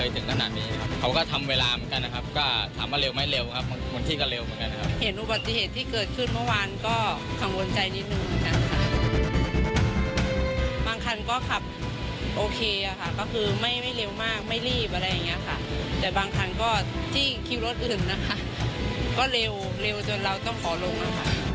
ที่คิวรถอื่นนะคะก็เร็วเร็วจนเราต้องขอลงนะคะ